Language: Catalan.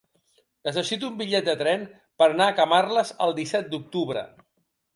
Necessito un bitllet de tren per anar a Camarles el disset d'octubre.